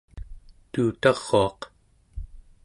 tuutaruaq